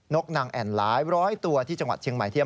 กนางแอ่นหลายร้อยตัวที่จังหวัดเชียงใหม่เที่ยว